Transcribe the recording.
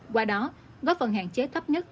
qua đó góp phần hạn chế thấp nhất